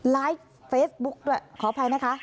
ไลฟ์เฟซบุ๊กด้วยขออภัยนะคะ